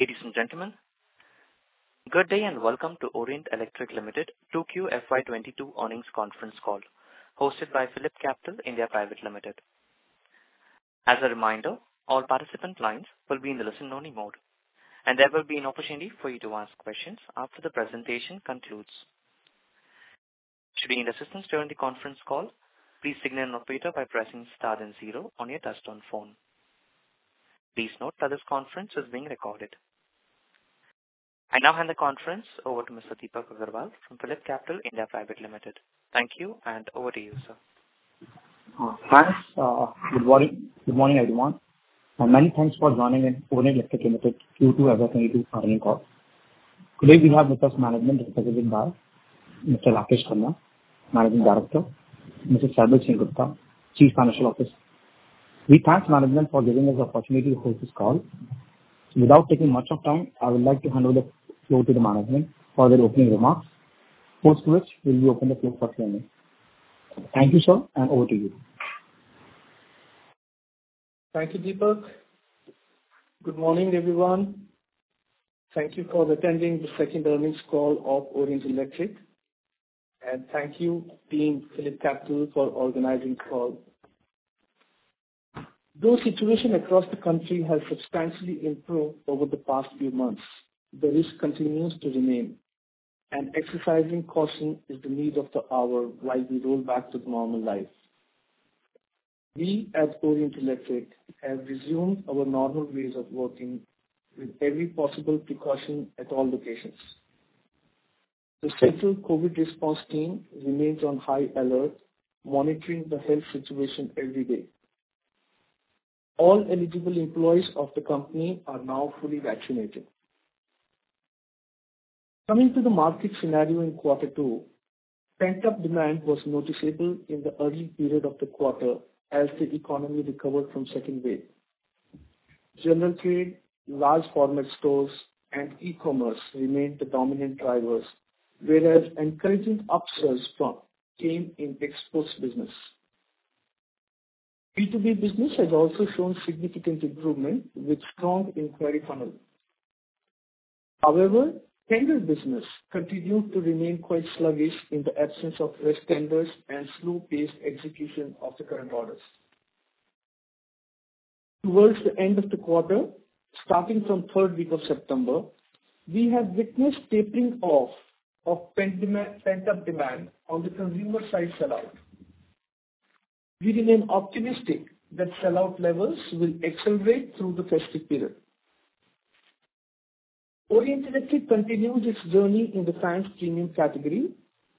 Ladies and gentlemen, good day and welcome to Orient Electric Limited 2Q FY 2022 earnings conference call hosted by PhillipCapital India Private Limited. As a reminder, all participant lines will be in the listen-only mode, and there will be an opportunity for you to ask questions after the presentation concludes. Should you need assistance during the conference call, please signal an operator by pressing star then zero on your touchtone phone. Please note that this conference is being recorded. I now hand the conference over to Mr. Deepak Agarwal from PhillipCapital India Private Limited. Thank you, and over to you, sir. Thanks. Good morning, everyone, and many thanks for joining in Orient Electric Limited Q2 FY22 earnings call. Today we have with us management represented by Mr. Rakesh Khanna, Managing Director, Mr. Saibal Sengupta, Chief Financial Officer. We thank management for giving us the opportunity to host this call. Without taking much time, I would like to hand over the floor to the management for their opening remarks, post which we'll open the floor for Q&A. Thank you, sir, and over to you. Thank you, Deepak. Good morning, everyone. Thank you for attending the second earnings call of Orient Electric, and thank you team PhillipCapital for organizing the call. Though situation across the country has substantially improved over the past few months, the risk continues to remain, and exercising caution is the need of the hour while we roll back to normal life. We at Orient Electric have resumed our normal ways of working with every possible precaution at all locations. The central COVID Response Team remains on high alert, monitoring the health situation every day. All eligible employees of the company are now fully vaccinated. Coming to the market scenario in Q2, pent-up demand was noticeable in the early period of the quarter as the economy recovered from second wave. General trade, large format stores and e-commerce remained the dominant drivers, whereas encouraging upsells came in exports business. B2B business has also shown significant improvement with strong inquiry funnel. However, tender business continued to remain quite sluggish in the absence of risk tenders and slow-paced execution of the current orders. Towards the end of the quarter, starting from third week of September, we have witnessed tapering off of pent-up demand on the consumer side sell-out. We remain optimistic that sell-out levels will accelerate through the festive period. Orient Electric continues its journey in the silent premium category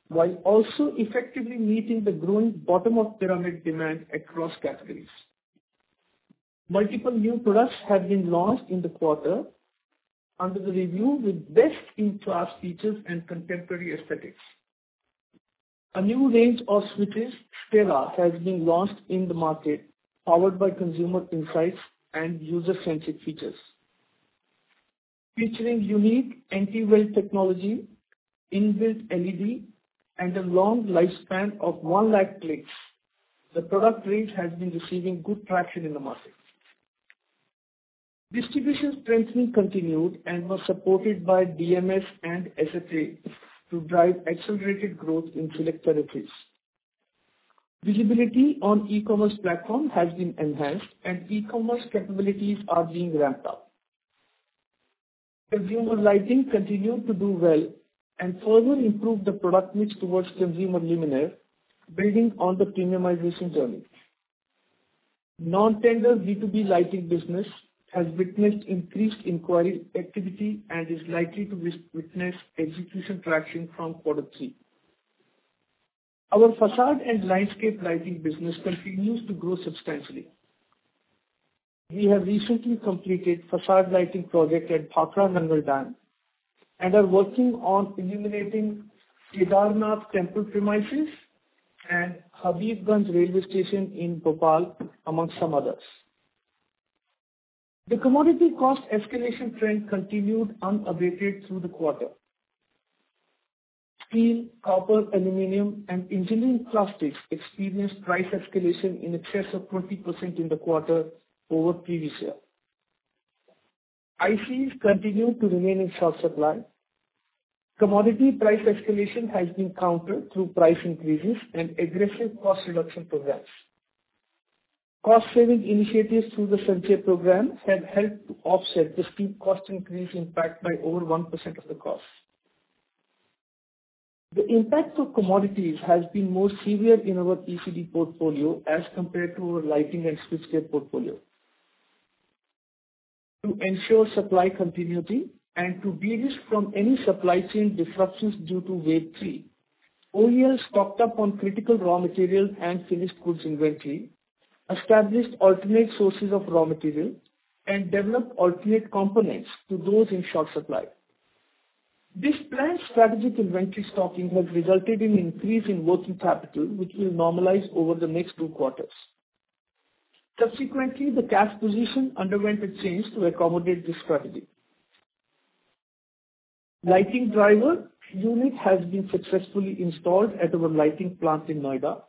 while also effectively meeting the growing bottom-of-pyramid demand across categories. Multiple new products have been launched in the quarter under the review with best-in-class features and contemporary aesthetics. A new range of switches, Stella, has been launched in the market, powered by consumer insights and user-centric features. Featuring unique anti-viral technology, inbuilt LED, and a long lifespan of 100,000 clicks, the product range has been receiving good traction in the market. Distribution strengthening continued and was supported by DMS and SFA to drive accelerated growth in select territories. Visibility on e-commerce platform has been enhanced, and e-commerce capabilities are being ramped up. Consumer lighting continued to do well and further improved the product mix towards consumer luminaire, building on the premiumization journey. Non-tender B2B lighting business has witnessed increased inquiry activity and is likely to witness execution traction from quarter three. Our façade and landscape lighting business continues to grow substantially. We have recently completed façade lighting project at Bhakra Nangal Dam and are working on illuminating Kedarnath Temple premises and Habibganj Railway Station in Bhopal, amongst some others. The commodity cost escalation trend continued unabated through the quarter. Steel, copper, aluminum, and engineering plastics experienced price escalation in excess of 20% in the quarter over previous year. ICs continued to remain in short supply. Commodity price escalation has been countered through price increases and aggressive cost reduction programs. Cost-saving initiatives through the Sanchay program have helped to offset the steep cost increase impact by over 1% of the cost. The impact of commodities has been more severe in our ECD portfolio as compared to our lighting and switchgear portfolio. To ensure supply continuity and to de-risk from any supply chain disruptions due to wave three, OEL stocked up on critical raw material and finished goods inventory, established alternate sources of raw material, and developed alternate components to those in short supply. This planned strategic inventory stocking has resulted in increase in working capital, which will normalize over the next two quarters. Subsequently, the cash position underwent a change to accommodate this strategy. Lighting driver unit has been successfully installed at our lighting plant in Noida.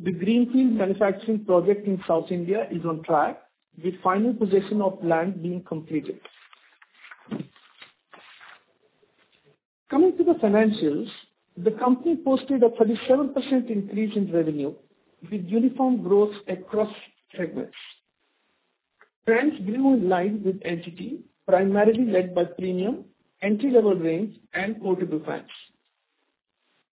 The greenfield manufacturing project in South India is on track, with final possession of land being completed. Coming to the financials, the company posted a 37% increase in revenue, with uniform growth across segments. Fans grew in line with entity, primarily led by premium entry-level range and portable fans.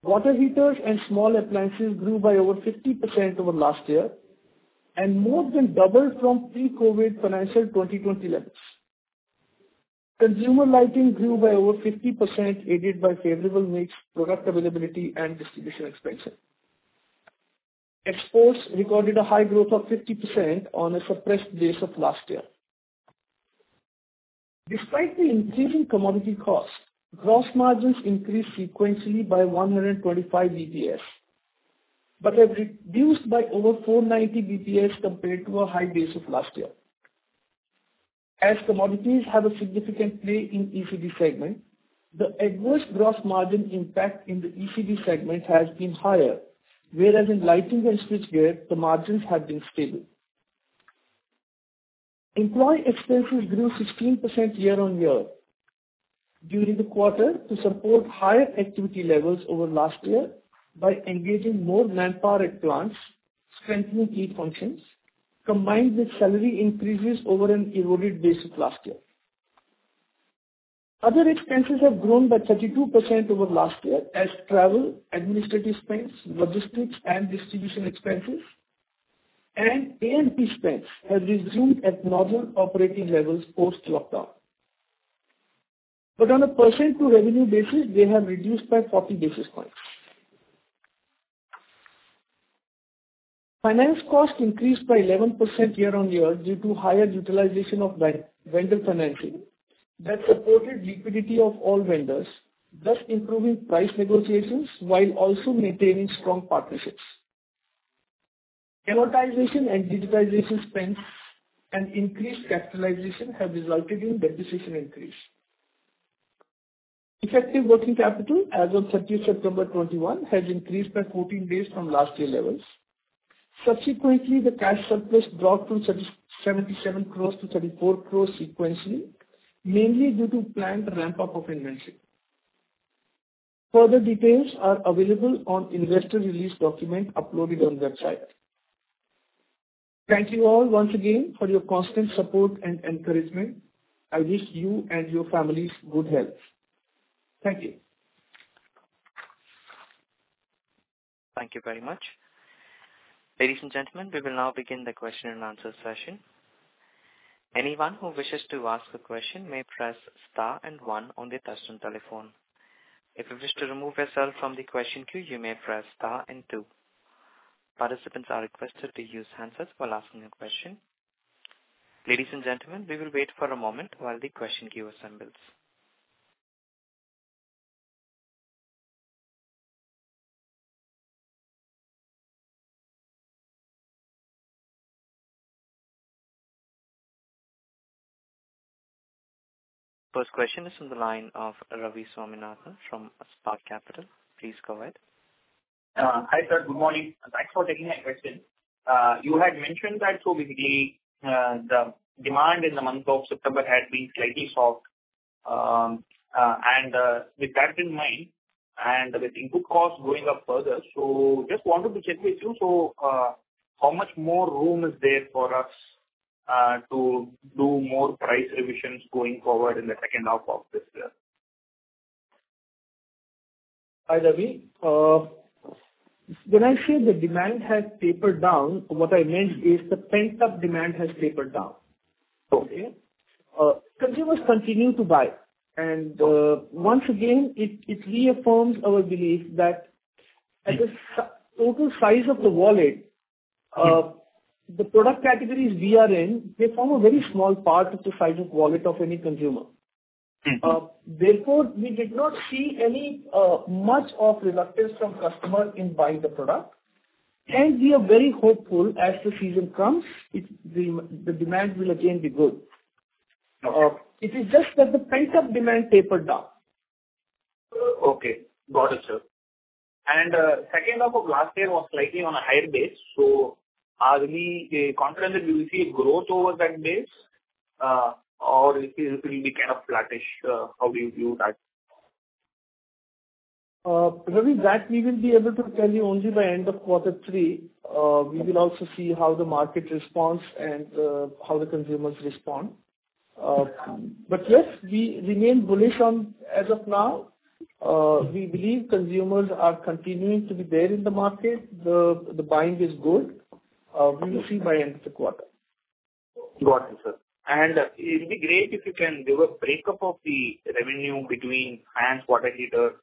Water heaters and small appliances grew by over 50% over last year and more than doubled from pre-COVID financial 2020 levels. Consumer lighting grew by over 50%, aided by favorable mix, product availability, and distribution expansion. Exports recorded a high growth of 50% on a suppressed base of last year. Despite the increasing commodity cost, gross margins increased sequentially by 125 basis points, but have reduced by over 490 basis points compared to a high base of last year. As commodities have a significant play in ECD segment, the adverse gross margin impact in the ECD segment has been higher, whereas in lighting and switchgear, the margins have been stable. Employee expenses grew 16% year-on-year during the quarter to support higher activity levels over last year by engaging more manpower at plants, strengthening key functions, combined with salary increases over an eroded base of last year. Other expenses have grown by 32% over last year as travel, administrative spends, logistics, and distribution expenses and A&P spends have resumed at normal operating levels post-lockdown. On a percentage to revenue basis, they have reduced by 40 basis points. Finance cost increased by 11% year-on-year due to higher utilization of vendor financing that supported liquidity of all vendors, thus improving price negotiations while also maintaining strong partnerships. Amortization and digitalization spends and increased capitalization have resulted in debt position increase. Effective working capital as of September 30, 2021, has increased by 14 days from last year levels. Subsequently, the cash surplus dropped from 77 crores to 34 crores sequentially, mainly due to planned ramp-up of inventory. Further details are available on investor release document uploaded on website. Thank you all once again for your constant support and encouragement. I wish you and your families good health. Thank you. Thank you very much. Ladies and gentlemen, we will now begin the question and answer session. Anyone who wishes to ask a question may press star and one on their touchtone telephone. If you wish to remove yourself from the question queue, you may press star and two. Participants are requested to use handsets while asking a question. Ladies and gentlemen, we will wait for a moment while the question queue assembles. First question is on the line of Ravi Swaminathan from Spark Capital. Please go ahead. Hi, sir. Good morning. Thanks for taking my question. You had mentioned that the demand in the month of September had been slightly soft. With that in mind, and with input costs going up further, just wanted to check with you how much more room is there for us to do more price revisions going forward in the second half of this year? Hi, Ravi. When I say the demand has tapered down, what I meant is the pent-up demand has tapered down. Okay. Consumers continue to buy, and once again, it reaffirms our belief that at the total size of the wallet, the product categories we are in, they form a very small part of the size of wallet of any consumer. Therefore, we did not see much of reluctance from customer in buying the product. We are very hopeful as the season comes, the demand will again be good. It is just that the pent-up demand tapered down. Okay, got it, sir. Second half of last year was slightly on a higher base, so are we confident that we will see a growth over that base, or it will be kind of flattish? How do you view that? Ravi, that we will be able to tell you only by end of quarter three. We will also see how the market responds and how the consumers respond. Yes, we remain bullish as of now. We believe consumers are continuing to be there in the market. The buying is good. We will see by end of the quarter. Got it, sir. It'd be great if you can give a breakup of the revenue between fans, water heater,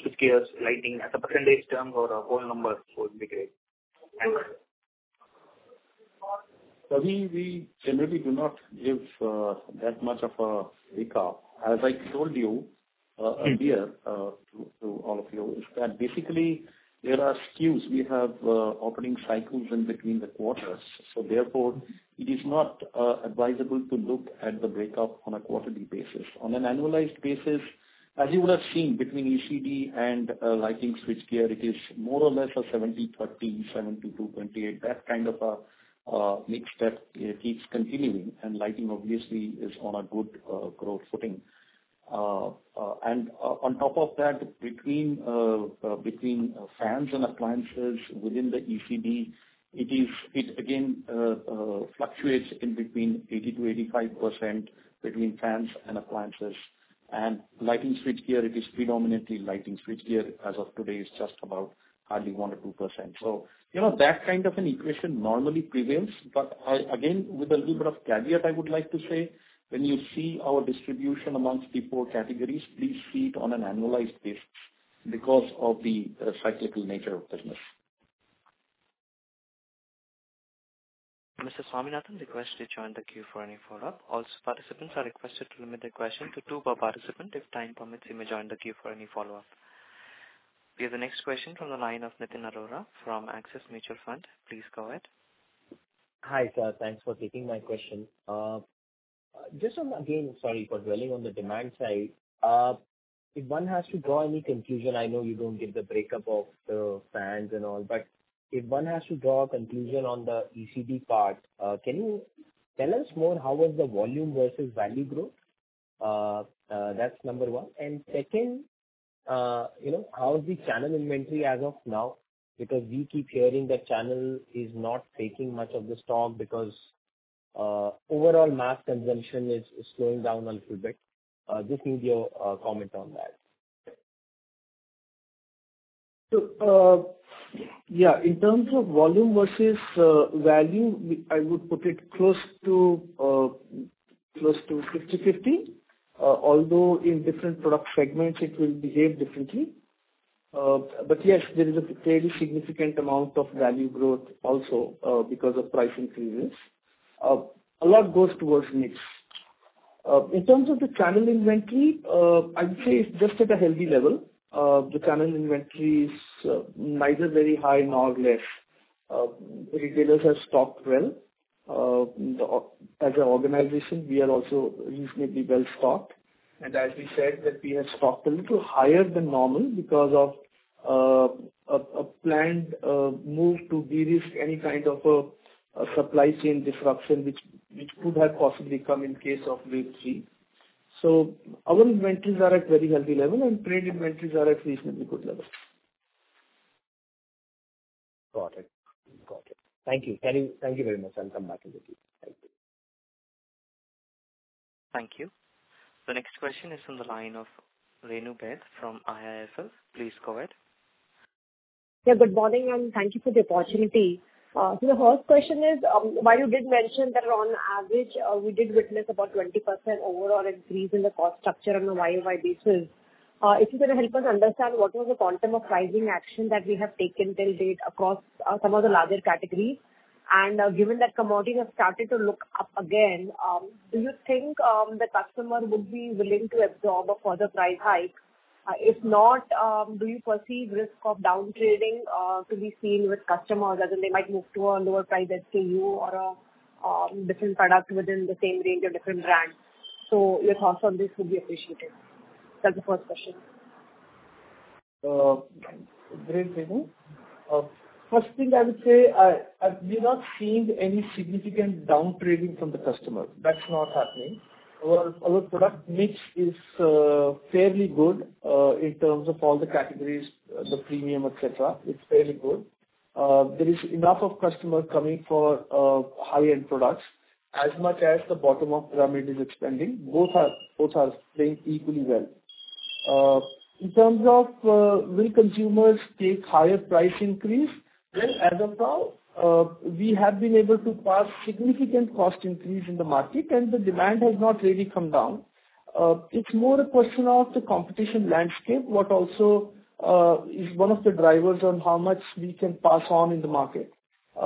switch gears, lighting at a percentage term or a whole number would be great. Thanks. Ravi, we generally do not give that much of a recap. As I told you Uh- -idea to all of you is that basically there are SKUs. We have opening cycles in between the quarters, so therefore it is not advisable to look at the breakup on a quarterly basis. On an annualized basis, as you would have seen between ECD and lighting switchgear, it is more or less a 70-30, 72-28. That kind of a mix that keeps continuing, lighting obviously is on a good growth footing. On top of that, between fans and appliances within the ECD, it again fluctuates in between 80%-85% between fans and appliances. Lighting switchgear, it is predominantly lighting switchgear, as of today is just about hardly 1%-2%. That kind of an equation normally prevails. Again, with a little bit of caveat, I would like to say, when you see our distribution amongst the 4 categories, please see it on an annualized basis because of the cyclical nature of business. Mr. Swaminathan, the request to join the queue for any follow-up. All participants are requested to limit their question to two per participant. If time permits, you may join the queue for any follow-up. We have the next question from the line of Nitin Arora from Axis Mutual Fund. Please go ahead. Hi, sir. Thanks for taking my question. Just on, again, sorry for dwelling on the demand side. If one has to draw any conclusion, I know you don't give the breakup of the fans and all, but if one has to draw a conclusion on the ECD part, can you tell us more? How was the volume versus value growth? That's number one. Second, how is the channel inventory as of now? Because we keep hearing that channel is not taking much of the stock because overall mass consumption is slowing down a little bit. Just need your comment on that. Yeah. In terms of volume versus value, I would put it close to 50/50. Although in different product segments it will behave differently. Yes, there is a fairly significant amount of value growth also because of price increases. A lot goes towards mix. In terms of the channel inventory, I would say it's just at a healthy level. The channel inventory is neither very high nor less. Retailers have stocked well. As an organization, we are also reasonably well-stocked, and as we said that we have stocked a little higher than normal because of a planned move to de-risk any kind of a supply chain disruption which could have possibly come in case of wave three. Our inventories are at very healthy level, and trade inventories are at reasonably good level. Got it. Thank you. Thank you very much. I'll come back in the queue. Thank you. Thank you. The next question is from the line of Renu Baid from IIFL. Please go ahead. Yeah, good morning, and thank you for the opportunity. The first question is, while you did mention that on average we did witness about 20% overall increase in the cost structure on a YOY basis. If you can help us understand what was the quantum of pricing action that we have taken till date across some of the larger categories. Given that commodities have started to look up again, do you think the customer would be willing to absorb a further price hike? If not, do you perceive risk of down trading to be seen with customers, as in they might move to a lower price SKU or a different product within the same range of different brands? Your thoughts on this would be appreciated. That's the first question. Great, Renu. First thing I would say, we've not seen any significant down trading from the customer. That's not happening. Our product mix is fairly good in terms of all the categories, the premium, et cetera. It's fairly good. There is enough of customers coming for high-end products as much as the bottom of pyramid is expanding. Both are playing equally well. In terms of will consumers take higher price increase, well, as of now we have been able to pass significant cost increase in the market and the demand has not really come down. It's more a question of the competition landscape what also is one of the drivers on how much we can pass on in the market.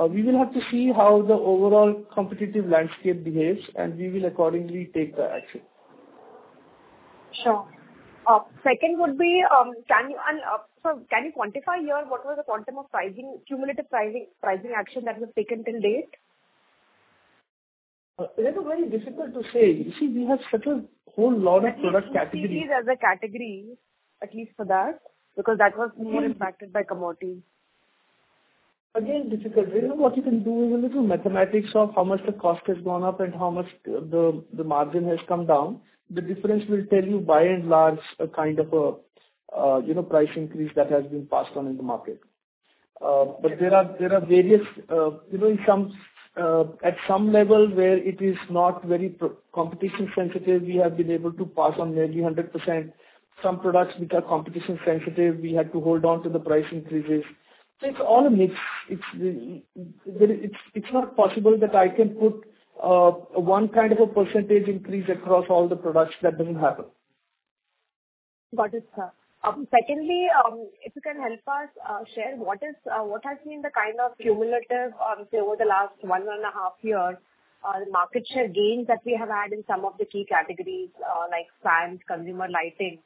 We will have to see how the overall competitive landscape behaves and we will accordingly take the action. Sure. Second would be, can you quantify here what was the quantum of cumulative pricing action that was taken till date? Renu, very difficult to say. You see, we have such a whole lot of product categories. as a category, at least for that, because that was more impacted by commodity. Again, difficult. What you can do is a little mathematics of how much the cost has gone up and how much the margin has come down. The difference will tell you by and large a kind of a price increase that has been passed on in the market. At some level where it is not very competition sensitive, we have been able to pass on nearly 100%. Some products which are competition sensitive, we had to hold on to the price increases. It's all a mix. It's not possible that I can put one kind of a percentage increase across all the products. That doesn't happen. Got it, sir. Secondly, if you can help us share what has been the kind of cumulative, say over the last 1 and a half years, the market share gains that we have had in some of the key categories like fans, consumer lighting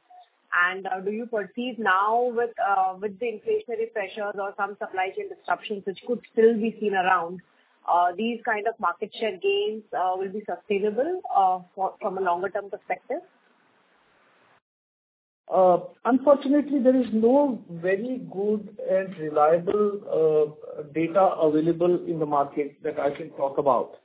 Do you perceive now with the inflationary pressures or some supply chain disruptions which could still be seen around, these kind of market share gains will be sustainable from a longer-term perspective? Unfortunately, there is no very good and reliable data available in the market that I can talk about.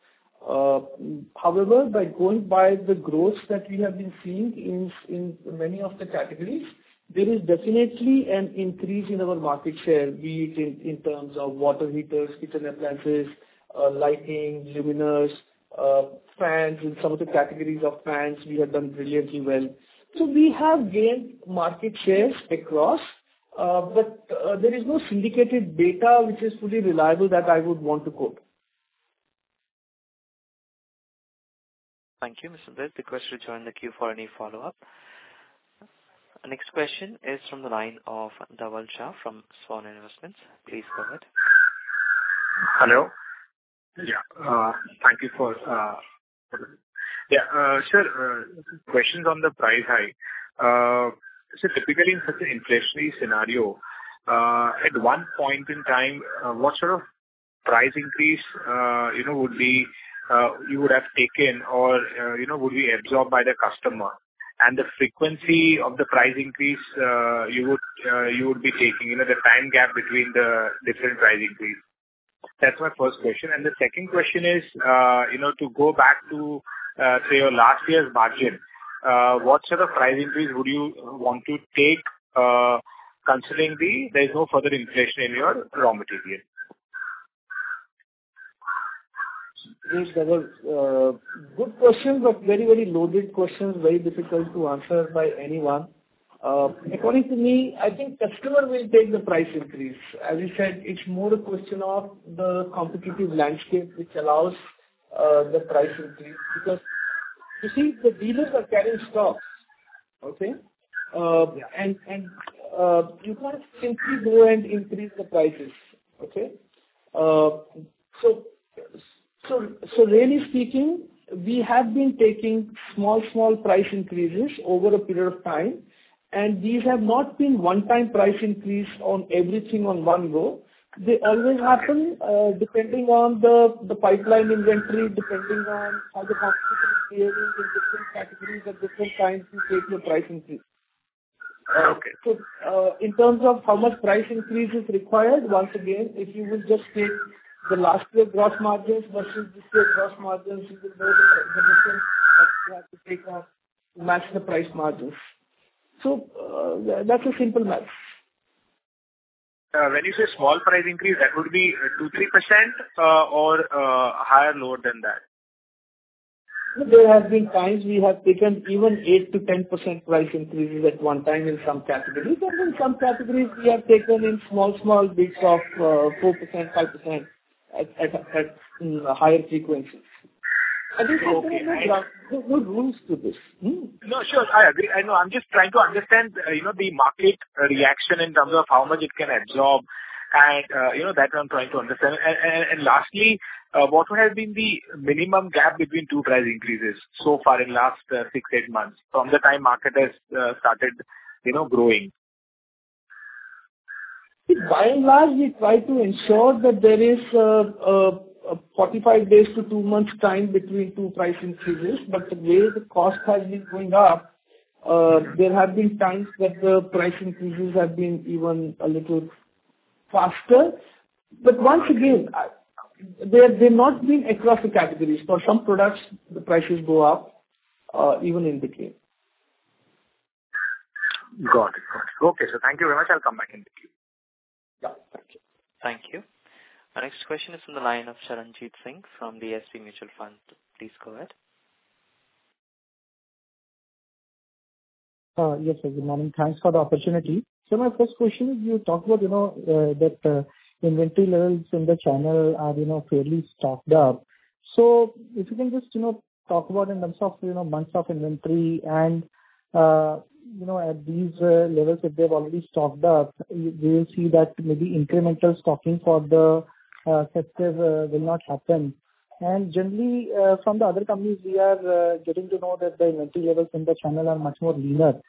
However, by going by the growth that we have been seeing in many of the categories, there is definitely an increase in our market share, be it in terms of water heaters, kitchen appliances, lighting, luminaires, fans. In some of the categories of fans, we have done brilliantly well. We have gained market shares across, but there is no syndicated data which is fully reliable that I would want to quote. Thank you, Mr. Deep. Request to join the queue for any follow-up. Next question is from the line of Dhaval Shah from Swan Investments. Please go ahead. Hello. Sure. Questions on the price hike. Typically in such an inflationary scenario, at one point in time, what sort of price increase you would have taken or would be absorbed by the customer, and the frequency of the price increase you would be taking, the time gap between the different price increase? That's my first question. The second question is, to go back to, say, your last year's margin, what sort of price increase would you want to take considering there's no further inflation in your raw material? Thanks, Dhaval. Good questions, very loaded questions, very difficult to answer by anyone. According to me, I think customer will take the price increase. As you said, it's more a question of the competitive landscape which allows the price increase. You see, the dealers are carrying stocks, okay? You can't simply go and increase the prices. Okay? Really speaking, we have been taking small price increases over a period of time, these have not been one-time price increase on everything on one go. They always happen depending on the pipeline inventory, depending on how the category is behaving in different categories at different times, we take the price increase. Okay. In terms of how much price increase is required, once again, if you would just take the last year gross margins versus this year gross margins, you will know the difference that you have to take off to match the price margins. That's a simple math. When you say small price increase, that would be two, 3%, or higher, lower than that? There have been times we have taken even 8%-10% price increases at one time in some categories. In some categories, we have taken in small bits of 4%, 5% at higher frequencies. Okay. There are no rules to this. No, sure. I agree. I know. I'm just trying to understand the market reaction in terms of how much it can absorb and that I'm trying to understand. Lastly, what has been the minimum gap between two price increases so far in last six, eight months from the time market has started growing? By and large, we try to ensure that there is a 45 days to two months time between two price increases, the way the cost has been going up, there have been times that the price increases have been even a little faster. Once again, they've not been across the categories. For some products, the prices go up even in between. Got it. Okay, sir. Thank you very much. I'll come back in the queue. Yeah. Thank you. Thank you. Our next question is from the line of Charanjit Singh from DSP Mutual Fund. Please go ahead. Yes, good morning. Thanks for the opportunity. My first question is, you talked about that inventory levels in the channel are fairly stocked up. If you can just talk about in terms of months of inventory and at these levels, if they've already stocked up, we will see that maybe incremental stocking for the sector will not happen. Generally, from the other companies, we are getting to know that the inventory levels in the channel are much more leaner.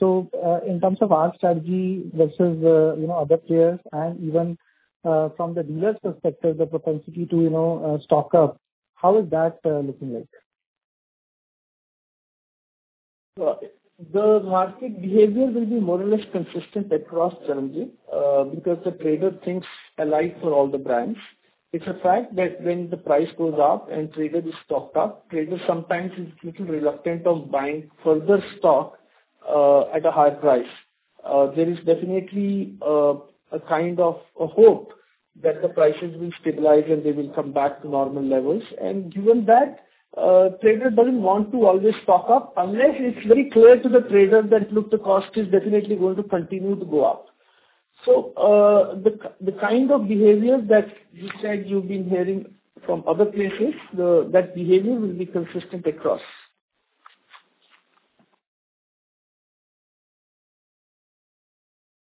In terms of our strategy versus other players and even from the dealers' perspective, the propensity to stock up, how is that looking like? The market behavior will be more or less consistent across, Charanjit, because the trader thinks alike for all the brands. It's a fact that when the price goes up and trader is stocked up, trader sometimes is little reluctant on buying further stock at a higher price. There is definitely a kind of a hope that the prices will stabilize, and they will come back to normal levels. Given that, a trader doesn't want to always stock up unless it's very clear to the trader that, look, the cost is definitely going to continue to go up. The kind of behaviors that you said you've been hearing from other places, that behavior will be consistent across.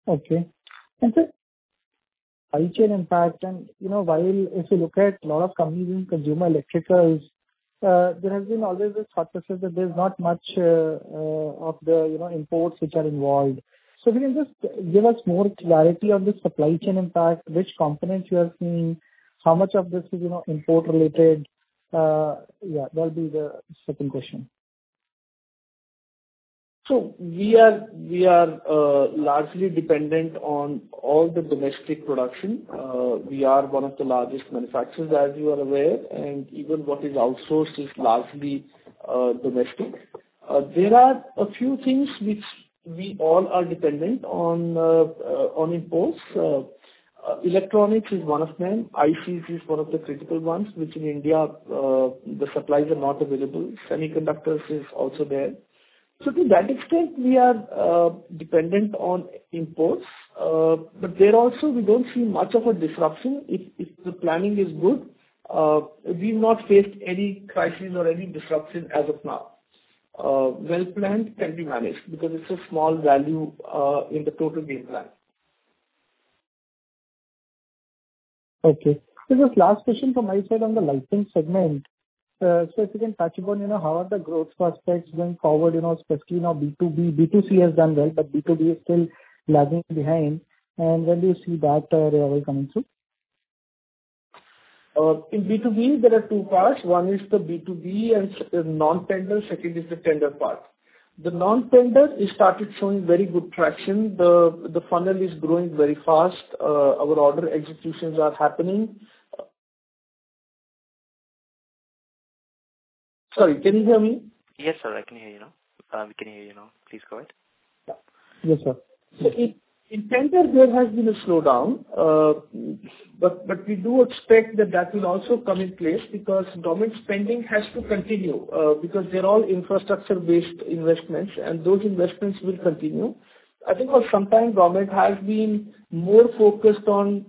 Okay. sir, supply chain impact while if you look at a lot of companies in consumer electricals, there has been always this hypothesis that there's not much of the imports which are involved. can you just give us more clarity on the supply chain impact, which components you are seeing, how much of this is import-related? Yeah, that'll be the second question. We are largely dependent on all the domestic production. We are one of the largest manufacturers, as you are aware, and even what is outsourced is largely domestic. There are a few things which we all are dependent on imports. Electronics is one of them. ICs is one of the critical ones, which in India, the supplies are not available. Semiconductors is also there. To that extent, we are dependent on imports. There also, we don't see much of a disruption if the planning is good. We've not faced any crisis or any disruption as of now. Well-planned can be managed because it's a small value in the total baseline. Okay. This is last question from my side on the lighting segment. If you can touch upon how are the growth prospects going forward, especially now B2B. B2C has done well, but B2B is still lagging behind. When do you see that revival coming soon? In B2B, there are two parts. One is the B2B and non-tender, second is the tender part. The non-tender, it started showing very good traction. The funnel is growing very fast. Our order executions are happening. Sorry, can you hear me? Yes, sir, I can hear you now. We can hear you now. Please go ahead. Yes, sir. In tender, there has been a slowdown. We do expect that will also come in place because government spending has to continue, because they're all infrastructure-based investments, and those investments will continue. I think for some time, government has been more focused on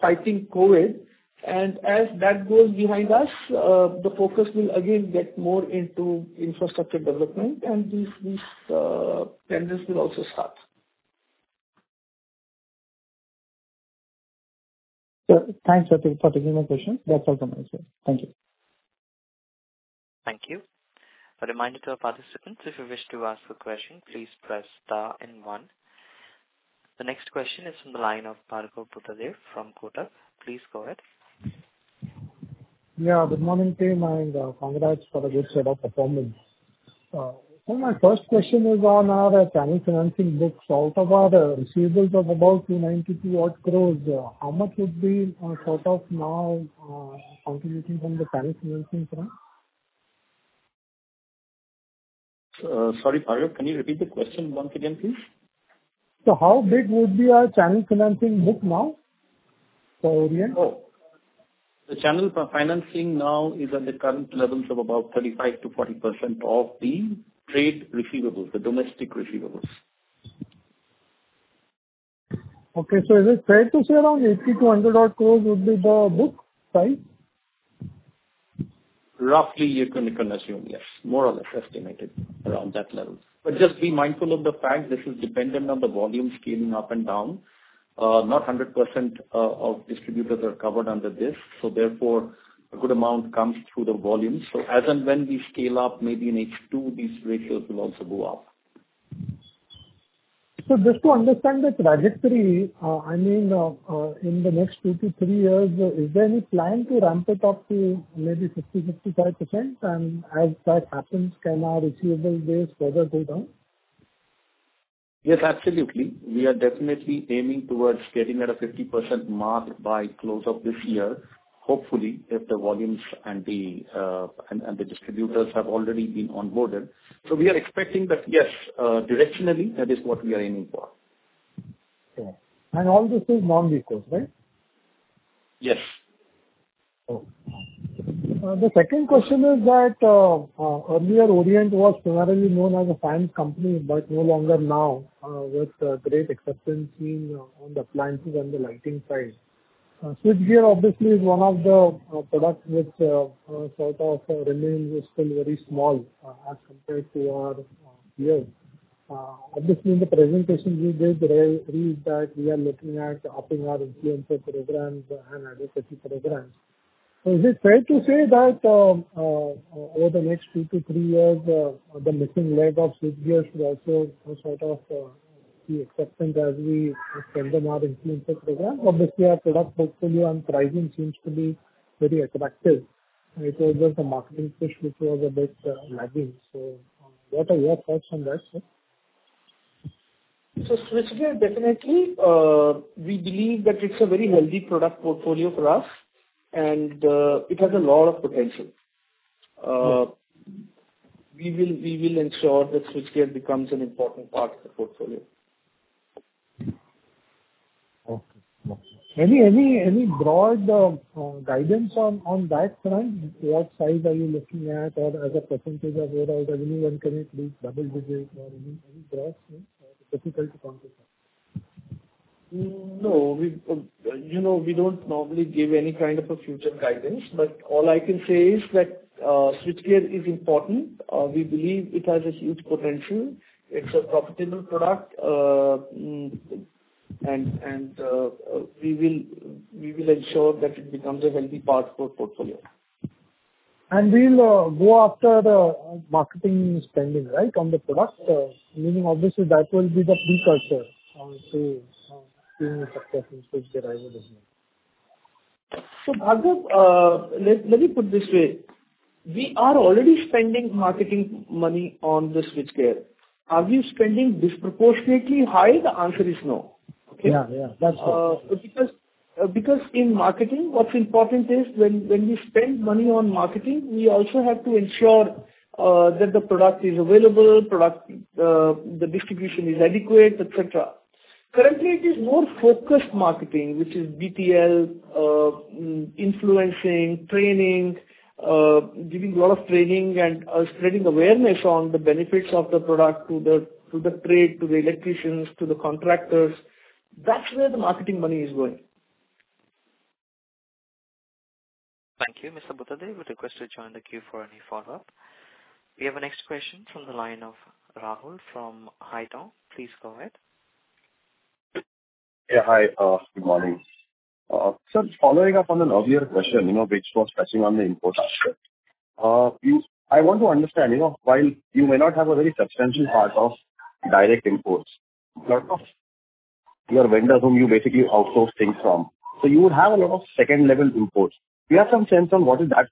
fighting COVID, and as that goes behind us, the focus will again get more into infrastructure development, and these tenders will also start. Sir, thanks for taking my question. That's all from my side. Thank you. Thank you. A reminder to our participants, if you wish to ask a question, please press star and one. The next question is from the line of Parag Bhutada from Kotak. Please go ahead. Good morning team. Congrats for a good set of performance. My first question is on our channel financing books. Out of our receivables of about 292 crores, how much would be sort of now contributing from the channel financing front? Sorry, Parag, can you repeat the question once again, please? How big would be our channel financing book now for Orient? The channel financing now is at the current levels of about 35%-40% of the trade receivables, the domestic receivables. Okay. Is it fair to say around 80 crore-100 crore would be the book size? Roughly, you can assume, yes. More or less estimated around that level. Just be mindful of the fact this is dependent on the volume scaling up and down. Not 100% of distributors are covered under this, so therefore, a good amount comes through the volume. As and when we scale up, maybe in H2, these ratios will also go up. Just to understand the trajectory, I mean, in the next two- three years, is there any plan to ramp it up to maybe 50%, 55%? As that happens, can our receivable days further go down? Yes, absolutely. We are definitely aiming towards getting at a 50% mark by close of this year. Hopefully, if the volumes and the distributors have already been onboarded. We are expecting that, yes, directionally, that is what we are aiming for. Okay. All this is non-recourse, right? Yes. The second question is that earlier Orient was primarily known as a fans company, but no longer now with great acceptance seen on the appliances and the lighting side. Switch gear obviously is one of the products which sort of remains still very small as compared to our peers. Obviously, in the presentation, we did read that we are looking at upping our influencer programs and advertising programs. Is it fair to say that over the next two to three years, the missing leg of switchgear should also sort of see acceptance as we strengthen our influencer program? Obviously, our product portfolio and pricing seems to be very attractive. It was just the marketing push which was a bit lagging. What are your thoughts on that, sir? Switchgear, definitely, we believe that it's a very healthy product portfolio for us, and it has a lot of potential. Good. We will ensure that switchgear becomes an important part of the portfolio. Okay. Any broad guidance on that front? What size are you looking at or as a percentage of overall revenue? Can it reach double digits or any broad, difficult to quantify? No. We don't normally give any kind of a future guidance, All I can say is that switchgear is important. We believe it has a huge potential. It's a profitable product, We will ensure that it becomes a healthy part for our portfolio. We'll go after the marketing spending on the product. Meaning obviously that will be the precursor on say, being a successful switchgear item business. Parag Bhutada, let me put it this way. We are already spending marketing money on the switchgear. Are we spending disproportionately high? The answer is no. Okay? Yeah. That's true. Because in marketing, what's important is when we spend money on marketing, we also have to ensure that the product is available, the distribution is adequate, et cetera. Currently, it is more focused marketing, which is BTL, influencing, training, giving a lot of training and spreading awareness on the benefits of the product to the trade, to the electricians, to the contractors. That's where the marketing money is going. Thank you, Mr. Bhutada. We request you to join the queue for any follow-up. We have our next question from the line of Rahul from InCred Capital. Please go ahead. Yeah. Hi, good morning. Sir, following up on an earlier question, which was touching on the import aspect. I want to understand, while you may not have a very substantial part of direct imports, a lot of your vendors whom you basically outsource things from. You would have a lot of second-level imports. Do you have some sense on what is that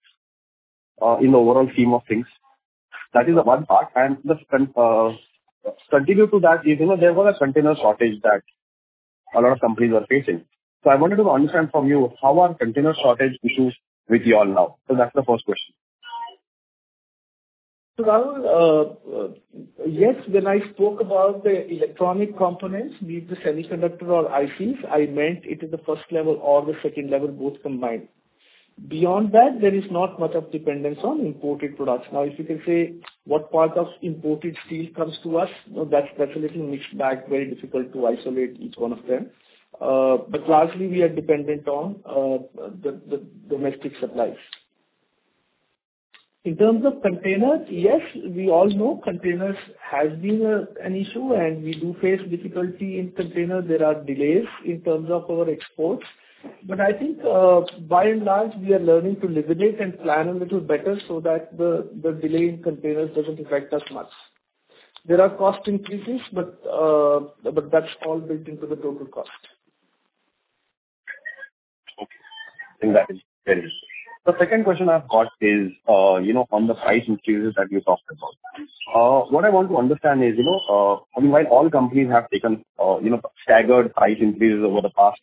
in the overall scheme of things? That is one part, and the second part continue to that is, there was a container shortage that a lot of companies were facing. I wanted to understand from you, how are container shortage issues with you all now? That's the first question. Rahul, yes, when I spoke about the electronic components, be it the semiconductor or ICs, I meant it is the first level or the second level, both combined. Beyond that, there is not much of dependence on imported products. Now, if you can say what part of imported steel comes to us, now that's a little mixed bag, very difficult to isolate each one of them. Largely, we are dependent on the domestic supplies. In terms of containers, yes, we all know containers has been an issue, and we do face difficulty in containers. There are delays in terms of our exports. I think by and large, we are learning to live with it and plan a little better so that the delay in containers doesn't affect us much. There are cost increases, but that's all built into the total cost. Okay. I think that is fair. The second question I've got is, on the price increases that you talked about. What I want to understand is, I mean, while all companies have taken staggered price increases over the past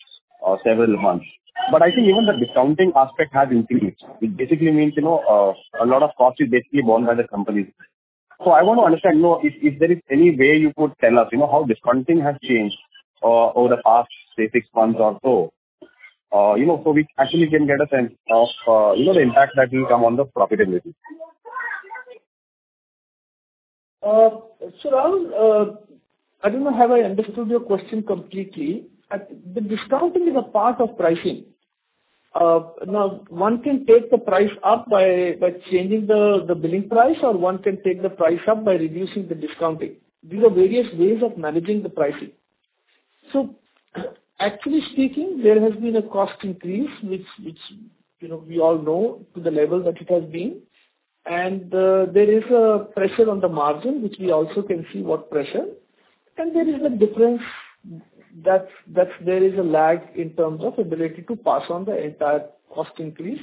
several months. I think even the discounting aspect has increased. It basically means, a lot of cost is basically borne by the companies. I want to understand, if there is any way you could tell us how discounting has changed over the past, say, six months or so. We actually can get a sense of the impact that will come on the profitability. Rahul, I don't know have I understood your question completely. The discounting is a part of pricing. One can take the price up by changing the billing price, or one can take the price up by reducing the discounting. These are various ways of managing the pricing. Actually speaking, there has been a cost increase, which we all know to the level that it has been. There is a pressure on the margin, which we also can see what pressure, and there is a difference that there is a lag in terms of ability to pass on the entire cost increase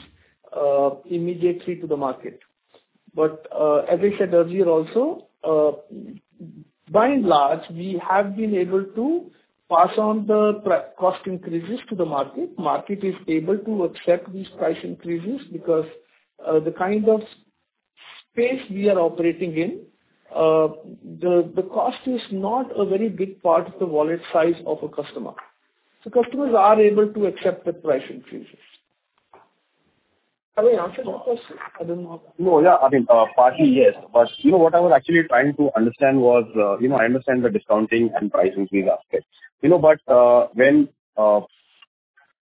immediately to the market. As I said earlier also, by and large, we have been able to pass on the cost increases to the market. Market is able to accept these price increases because the kind of space we are operating in, the cost is not a very big part of the wallet size of a customer. Customers are able to accept the price increases. Have I answered your question? I don't know. No, yeah. I mean, partly yes. What I was actually trying to understand was, I understand the discounting and pricing increase aspects. When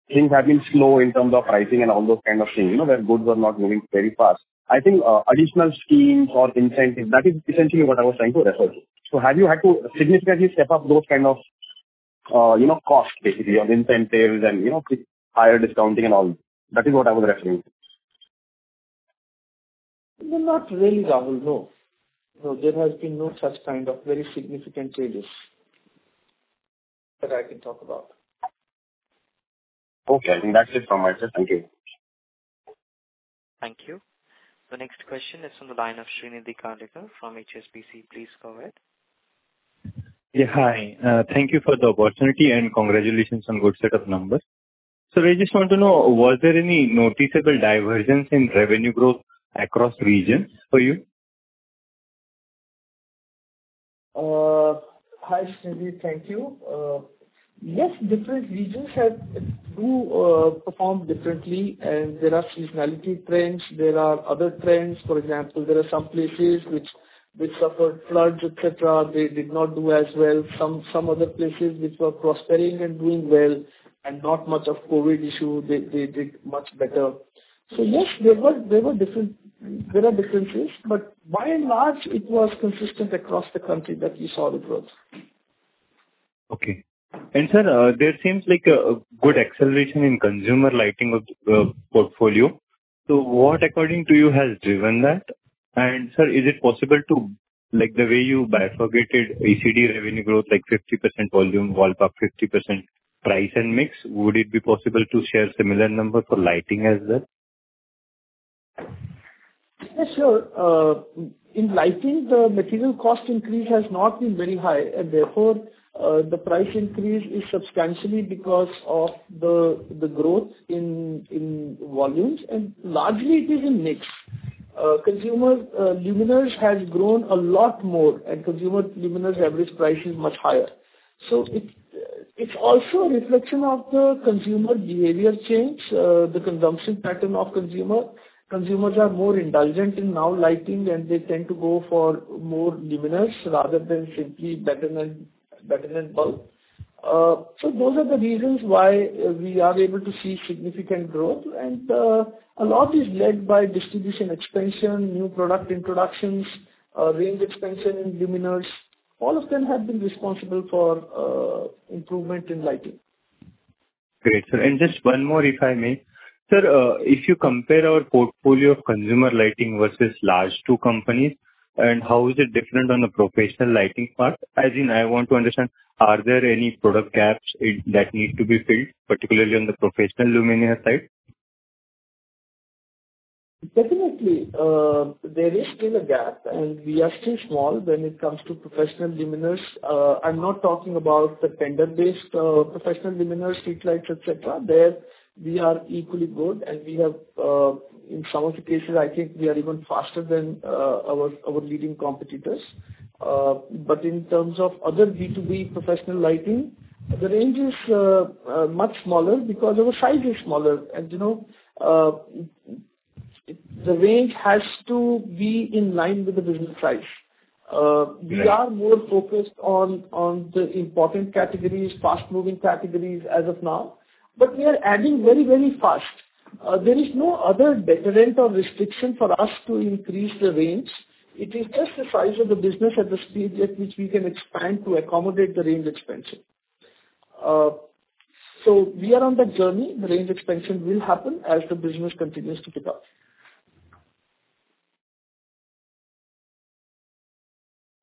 things have been slow in terms of pricing and all those kind of things, where goods were not moving very fast. I think additional schemes or incentives, that is essentially what I was trying to refer to. Have you had to significantly step up those kind of costs basically, of incentives and higher discounting and all? That is what I was referring to. No, not really, Rahul. No. There has been no such kind of very significant changes that I can talk about. Okay. I think that's it from my side. Thank you. Thank you. The next question is from the line of Srinidhi Karlekar from HSBC. Please go ahead. Yeah, hi. Thank you for the opportunity. Congratulations on good set of numbers. I just want to know, was there any noticeable divergence in revenue growth across regions for you? Hi, Srinidhi. Thank you. Yes, different regions do perform differently, and there are seasonality trends, there are other trends. For example, there are some places which suffered floods, etc., they did not do as well. Some other places which were prospering and doing well, and not much of COVID issue, they did much better. Yes, there are differences, but by and large, it was consistent across the country that we saw the growth. Okay. Sir, there seems like a good acceleration in consumer lighting portfolio. What, according to you, has driven that? Sir, is it possible to, like the way you bifurcated ECD revenue growth, like 50% volume ballpark, 50% price and mix. Would it be possible to share similar numbers for lighting as that? Yes, sure. In lighting, the material cost increase has not been very high, and therefore, the price increase is substantially because of the growth in volumes, and largely it is in mix. Consumer luminaires has grown a lot more, and consumer luminaires' average price is much higher. It's also a reflection of the consumer behavior change, the consumption pattern of consumer. Consumers are more indulgent in now lighting, and they tend to go for more luminaires rather than simply batten and bulb. Those are the reasons why we are able to see significant growth. A lot is led by distribution expansion, new product introductions, range expansion in luminaires. All of them have been responsible for improvement in lighting. Great, sir. Just one more, if I may. Sir, if you compare our portfolio of consumer lighting versus large two companies, and how is it different on the professional lighting part? As in, I want to understand, are there any product gaps that need to be filled, particularly on the professional luminaire side? Definitely. There is still a gap. We are still small when it comes to professional luminaires. I'm not talking about the tender-based professional luminaire, streetlights, etc. There, we are equally good, and in some of the cases, I think we are even faster than our leading competitors. In terms of other B2B professional lighting, the range is much smaller because our size is smaller. The range has to be in line with the business size. Right. We are more focused on the important categories, fast-moving categories as of now. We are adding very fast. There is no other deterrent or restriction for us to increase the range. It is just the size of the business at this stage at which we can expand to accommodate the range expansion. We are on that journey. The range expansion will happen as the business continues to pick up.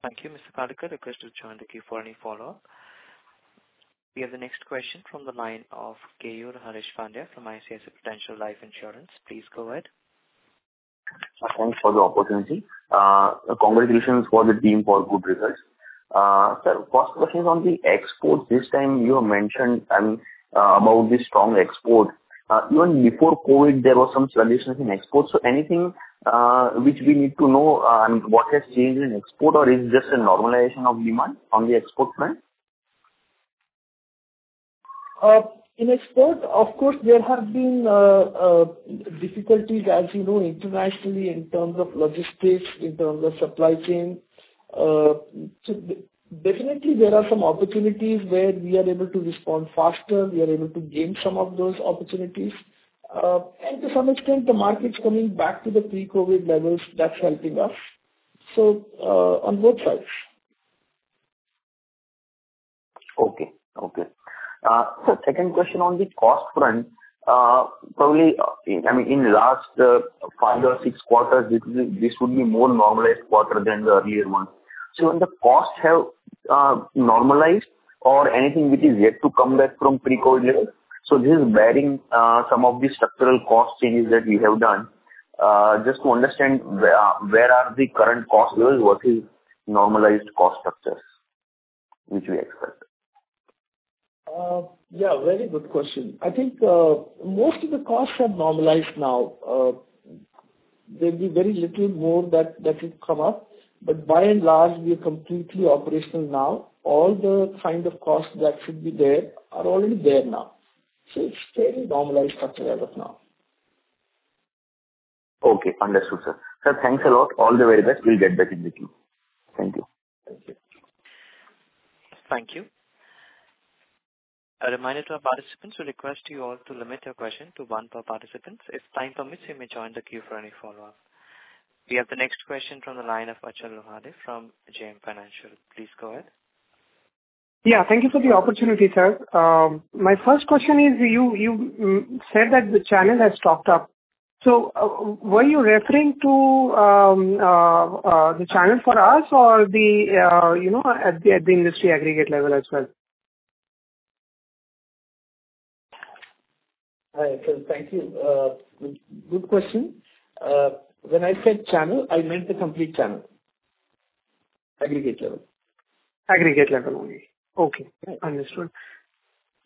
Thank you, Mr. Karlekar. I request you to join the queue for any follow-up. We have the next question from the line of Harish Pandya from ICICI Prudential Life Insurance. Please go ahead. Thanks for the opportunity. Congratulations for the team for good results. Sir, first question is on the exports. This time you have mentioned about the strong export. Even before COVID, there were some challenges in exports. Anything which we need to know and what has changed in export, or is it just a normalization of demand on the export front? In export, of course, there have been difficulties, as you know, internationally in terms of logistics, in terms of supply chain. Definitely, there are some opportunities where we are able to respond faster, we are able to gain some of those opportunities. To some extent, the market's coming back to the pre-COVID levels. That's helping us. On both sides. Okay. Sir, second question on the cost front. Probably, in last five or six quarters, this would be more normalized quarter than the earlier ones. When the costs have normalized or anything which is yet to come back from pre-COVID levels. This is barring some of the structural cost changes that you have done. Just to understand where are the current cost levels, what is normalized cost structures which we expect? Yeah, very good question. I think most of the costs have normalized now. There'll be very little more that will come up, but by and large, we are completely operational now. All the kind of costs that should be there are already there now. It's fairly normalized structure as of now. Okay, understood, sir. Sir, thanks a lot. All the very best. We will get back in the queue. Thank you. Thank you. Thank you. A reminder to our participants, we request you all to limit your question to one per participant. If time permits, you may join the queue for any follow-up. We have the next question from the line of Achal Lohade from JM Financial. Please go ahead. Yeah, thank you for the opportunity, sir. My first question is, you said that the channel has stocked up. Were you referring to the channel for us or at the industry aggregate level as well? Hi, sir. Thank you. Good question. When I said channel, I meant the complete channel. Aggregate level. Aggregate level only. Okay, understood.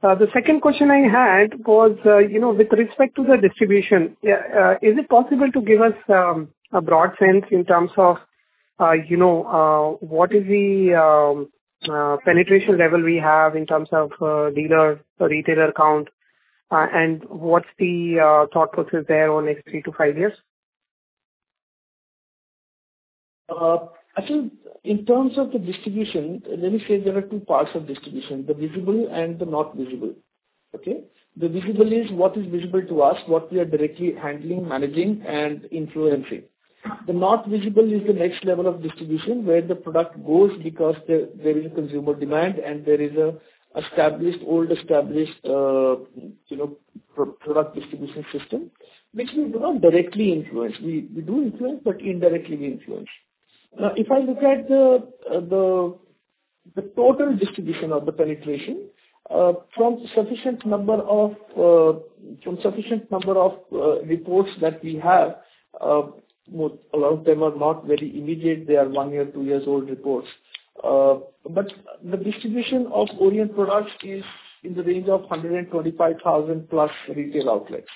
The second question I had was, with respect to the distribution, is it possible to give us a broad sense in terms of what is the penetration level we have in terms of dealer to retailer count? What's the thought process there on next three-five years? I think in terms of the distribution, let me say there are two parts of distribution, the visible and the not visible. Okay. The visible is what is visible to us, what we are directly handling, managing, and influencing. The not visible is the next level of distribution where the product goes because there is a consumer demand, and there is an old established product distribution system, which we do not directly influence. We do influence, but indirectly we influence. If I look at the total distribution of the penetration, from sufficient number of reports that we have, a lot of them are not very immediate. They are one year, two years old reports. The distribution of Orient products is in the range of 125,000+ retail outlets.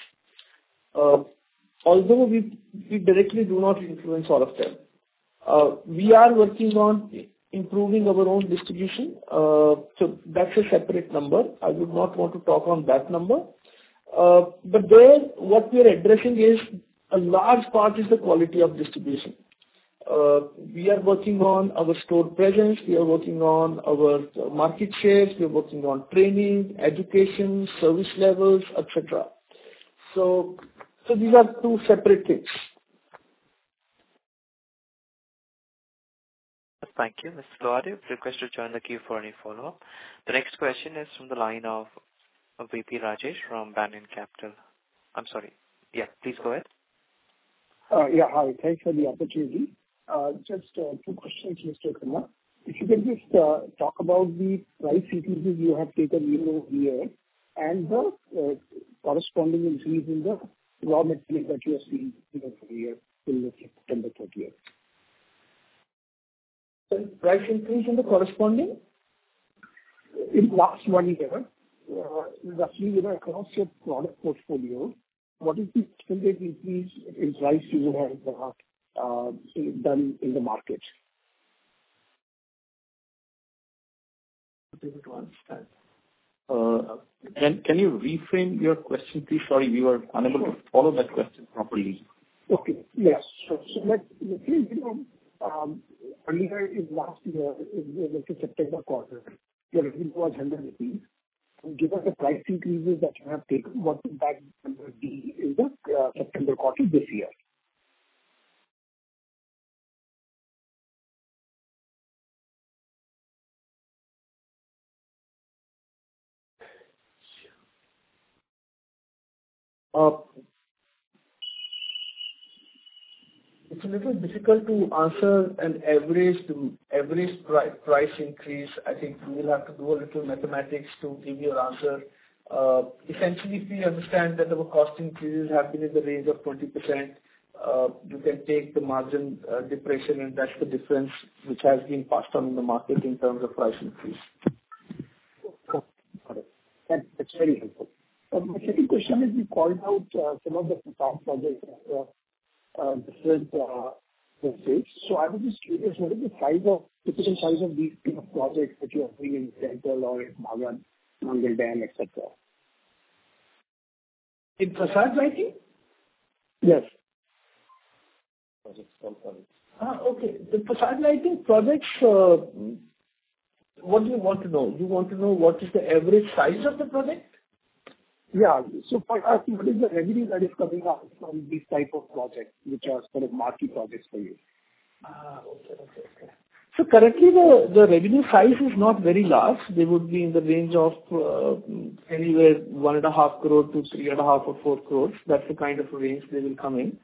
We directly do not influence all of them. We are working on improving our own distribution. That's a separate number. I would not want to talk on that number. There, what we are addressing is a large part is the quality of distribution. We are working on our store presence, we are working on our market shares, we are working on training, education, service levels, et cetera. These are two separate things. Thank you. Mr. Lohade, we request you to join the queue for any follow-up. The next question is from the line of V.P. Rajesh from Banyan Capital. I'm sorry. Yeah, please go ahead. Yeah. Hi. Thanks for the opportunity. Just two questions, Rakesh Khanna. If you can just talk about the price increases you have taken year-over-year and the corresponding increase in the raw material that you are seeing year-over-year till September 30th. Price increase in the corresponding? In last one year, roughly across your product portfolio, what is the percentage increase in price you have done in the market? I didn't understand. Can you reframe your question, please? Sorry, we were unable to follow that question properly. Okay. Yes. Like, last year, in the September quarter, your revenue was INR 100. Given the price increases that you have taken, what the impact will be in the September quarter this year? It's a little difficult to answer an average price increase. I think we will have to do a little mathematics to give you an answer. Essentially, if we understand that our cost increases have been in the range of 20%, you can take the margin depression, and that's the difference which has been passed on in the market in terms of price increase. Okay, got it. That's very helpful. My second question is you called out some of the facade projects. I was just curious, what is the typical size of these kind of projects that you are doing in Central or in Nangal Dam, et cetera? In facade lighting? Yes. Okay. The facade lighting projects, what do you want to know? You want to know what is the average size of the project? Yeah. For us, what is the revenue that is coming out from these type of projects, which are sort of marquee projects for you? Okay. Currently, the revenue size is not very large. They would be in the range of anywhere one and a half crore to three and a half or 4 crores. That's the kind of range they will come in.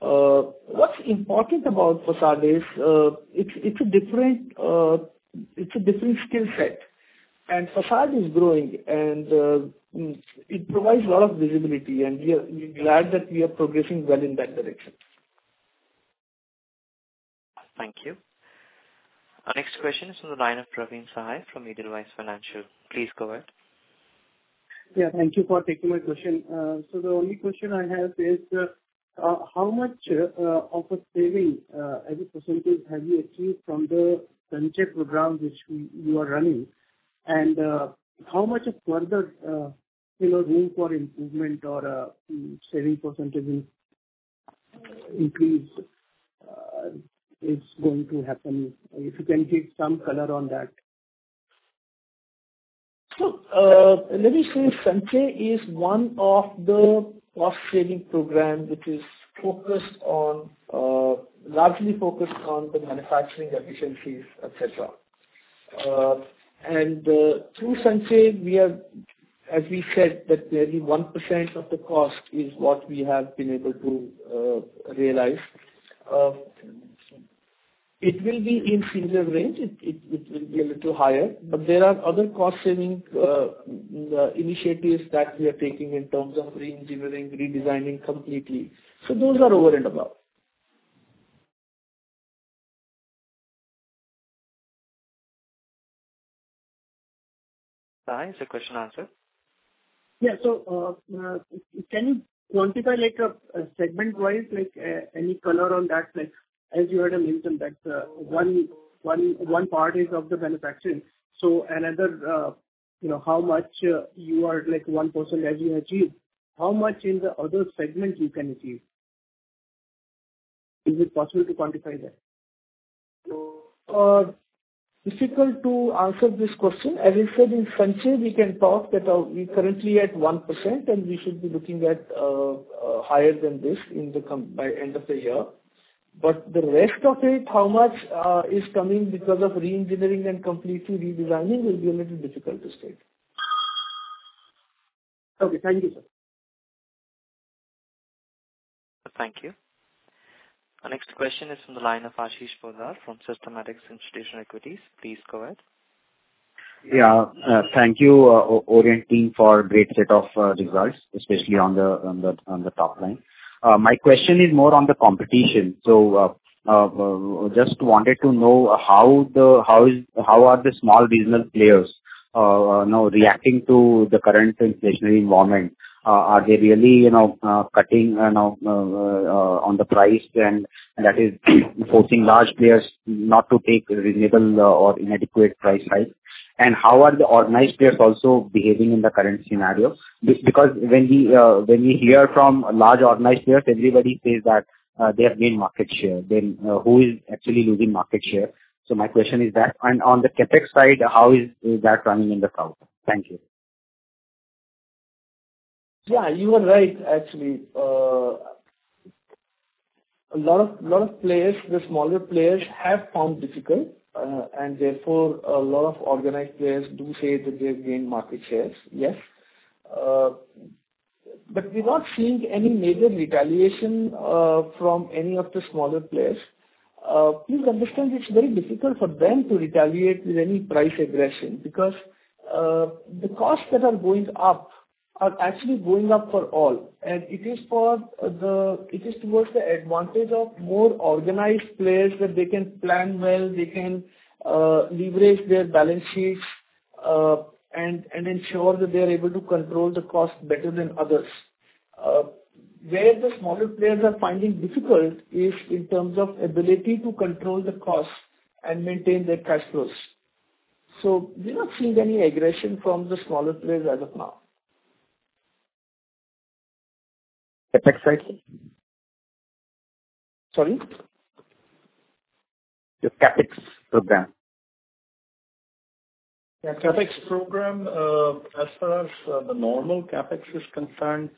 What's important about facade is it's a different skill set, and facade is growing, and it provides a lot of visibility, and we are glad that we are progressing well in that direction. Thank you. Our next question is from the line of Praveen Sahay from Edelweiss Financial. Please go ahead. Yeah, thank you for taking my question. The only question I have is how much of a saving as a percentage have you achieved from the Sanchay program which you are running, and how much of further room for improvement or saving percentage increase is going to happen? If you can give some color on that. Look, let me say Sanchay is one of the cost-saving program which is largely focused on the manufacturing efficiencies, et cetera. Through Sanchay, as we said, that barely 1% of the cost is what we have been able to realize. It will be in similar range. It will be a little higher. There are other cost-saving initiatives that we are taking in terms of re-engineering, redesigning completely. Those are over and above. Sahay, is your question answered? Can you quantify segment-wise, any color on that? As you had mentioned that one part is of the manufacturing. How much you are like 1% as you achieve, how much in the other segments you can achieve? Is it possible to quantify that? Difficult to answer this question. As I said, in Sanchay, we can talk that we're currently at 1%, and we should be looking at higher than this by end of the year. The rest of it, how much is coming because of re-engineering and completely redesigning will be a little difficult to state. Okay. Thank you, sir. Thank you. Our next question is from the line of Ashish Poddar from Systematix Institutional Equities. Please go ahead. Yeah. Thank you, Orient team, for a great set of results, especially on the top line. My question is more on the competition. Just wanted to know how are the small regional players now reacting to the current inflationary environment. Are they really cutting on the price, and that is forcing large players not to take reasonable or inadequate price hikes? How are the organized players also behaving in the current scenario? When we hear from large organized players, everybody says that they have gained market share. Who is actually losing market share? My question is that. On the CapEx side, how is that running in the current? Thank you. Yeah, you are right, actually. A lot of players, the smaller players, have found difficult, and therefore, a lot of organized players do say that they've gained market shares. Yes. But we're not seeing any major retaliation from any of the smaller players. Please understand, it's very difficult for them to retaliate with any price aggression because the costs that are going up are actually going up for all. It is towards the advantage of more organized players that they can plan well, they can leverage their balance sheets, and ensure that they are able to control the cost better than others. Where the smaller players are finding difficult is in terms of ability to control the cost and maintain their cash flows. We're not seeing any aggression from the smaller players as of now. CapEx side? Sorry? Your CapEx program. CapEx program, as far as the normal CapEx is concerned,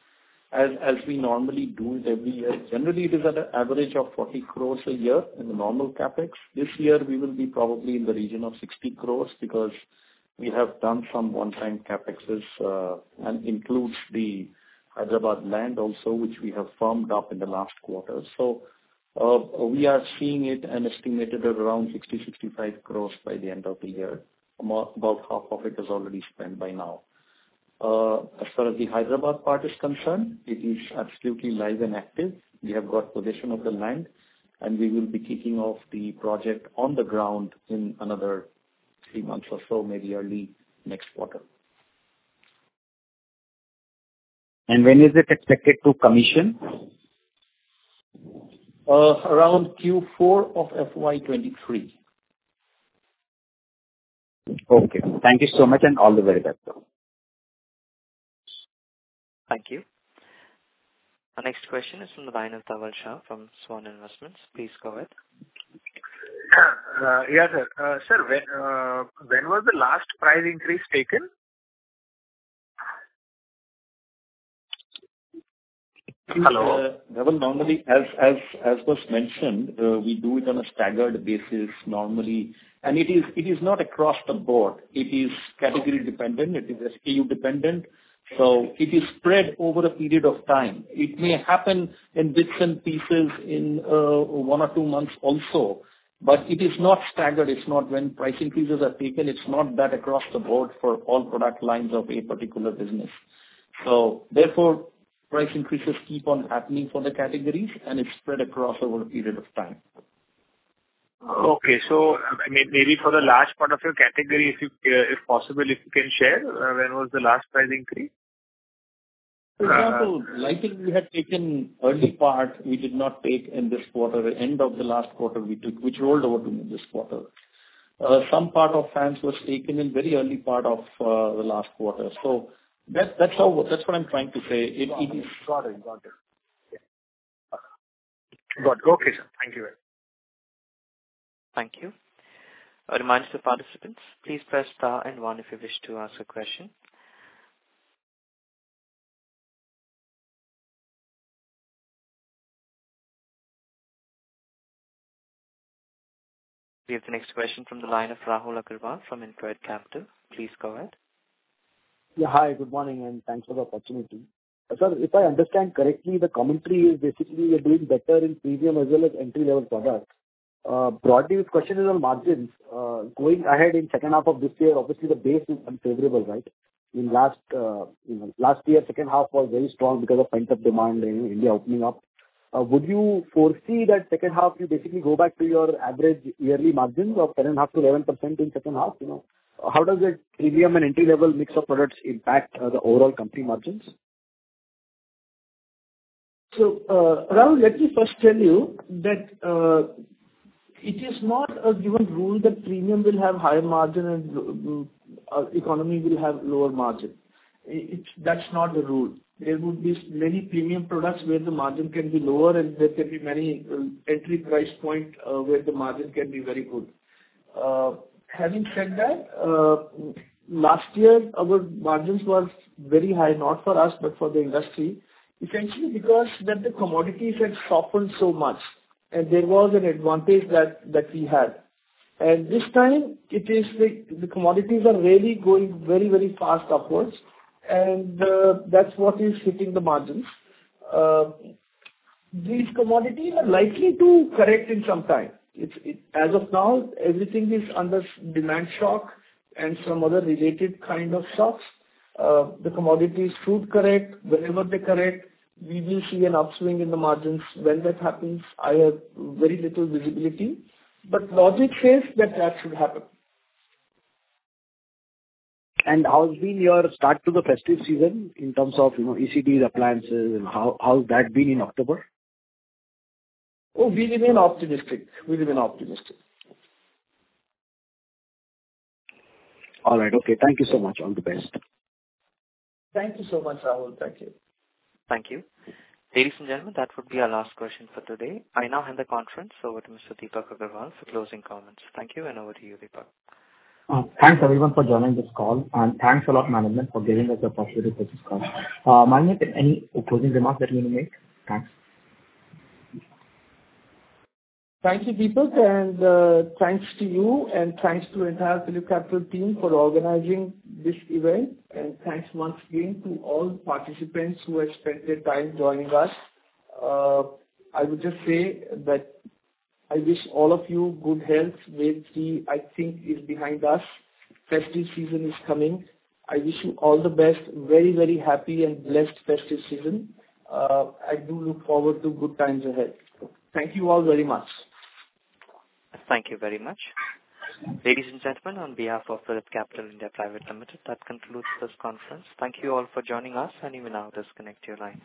as we normally do it every year, generally it is at an average of 40 crores a year in the normal CapEx. This year, we will be probably in the region of 60 crores because we have done some one-time CapExes and includes the Hyderabad land also, which we have firmed up in the last quarter. We are seeing it and estimated at around 60-65 crores by the end of the year. About half of it is already spent by now. As far as the Hyderabad part is concerned, it is absolutely live and active. We have got possession of the land, and we will be kicking off the project on the ground in another three months or so, maybe early next quarter. When is it expected to commission? Around Q4 of FY23. Okay. Thank you so much and all the very best. Thank you. Our next question is from the line of Dhaval Shah from Swan Investments. Please go ahead. Yeah. Sir, when was the last price increase taken? Hello? Dhaval, normally, as was mentioned, we do it on a staggered basis normally, and it is not across the board. It is category dependent. It is SKU dependent. It is spread over a period of time. It may happen in bits and pieces in one or two months also, but it is not staggered. It's not when price increases are taken, it's not that across the board for all product lines of a particular business. Therefore, price increases keep on happening for the categories, and it's spread across over a period of time. Okay. Maybe for the large part of your category, if possible, if you can share, when was the last price increase? For example, lighting we had taken early part, we did not take in this quarter. The end of the last quarter we took, which rolled over to this quarter. Some part of fans was taken in very early part of the last quarter. That's what I'm trying to say. Got it. Okay, sir. Thank you very much. Thank you. A reminder to participants, please press star and 1 if you wish to ask a question. We have the next question from the line of Rahul Agarwal from InCred Capital. Please go ahead. Hi, good morning, and thanks for the opportunity. If I understand correctly, the commentary is basically you're doing better in premium as well as entry-level products. The question is on margins. Going ahead in second half of this year, obviously the base is unfavorable, right? Last year, second half was very strong because of pent-up demand during India opening up. Would you foresee that second half you basically go back to your average yearly margins of 10.5%- 11% in second half? How does that premium and entry-level mix of products impact the overall company margins? Rahul, let me first tell you. It is not a given rule that premium will have higher margin and economy will have lower margin. That's not the rule. There would be many premium products where the margin can be lower, and there can be many entry price point where the margin can be very good. Having said that, last year our margins was very high, not for us, but for the industry, essentially because that the commodities had softened so much and there was an advantage that we had. This time, it is the commodities are really going very, very fast upwards, and that's what is hitting the margins. These commodities are likely to correct in some time. As of now, everything is under demand shock and some other related kind of shocks. The commodities should correct. Whenever they correct, we will see an upswing in the margins. When that happens, I have very little visibility, but logic says that that should happen. How's been your start to the festive season in terms of ECDs, appliances, and how's that been in October? Oh, we remain optimistic. All right. Okay. Thank you so much. All the best. Thank you so much, Rahul. Thank you. Thank you. Ladies and gentlemen, that would be our last question for today. I now hand the conference over to Mr. Deepak Agarwal for closing comments. Thank you, and over to you, Deepak. Thanks, everyone, for joining this call, and thanks a lot, management, for giving us the opportunity for this call. Management, any closing remarks that you want to make? Thanks. Thank you, Deepak, and thanks to you, and thanks to entire PhillipCapital team for organizing this event. Thanks once again to all participants who have spent their time joining us. I would just say that I wish all of you good health. Wave three, I think, is behind us. Festive season is coming. I wish you all the best, very, very happy and blessed festive season. I do look forward to good times ahead. Thank you all very much. Thank you very much. Ladies and gentlemen, on behalf of PhillipCapital India Private Limited, that concludes this conference. Thank you all for joining us, and you may now disconnect your lines.